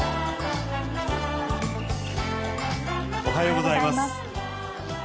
おはようございます。